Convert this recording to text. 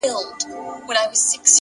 انسان خپل عادتونه بدل کړي، ژوند بدلېږي,